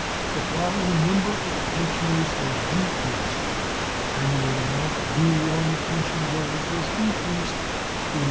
But while the number of pensioners has decreased, the annual amount due on the pension rolls has increased $44,733.